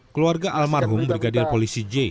keluarga almarhum brigadir polisi j